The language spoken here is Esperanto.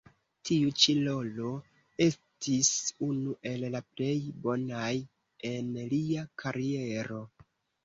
Tiu ĉi rolo estis unu el la plej bonaj en lia kariero.